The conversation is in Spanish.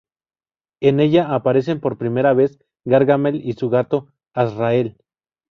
En ella aparecen por primera vez Gargamel y su gato Azrael.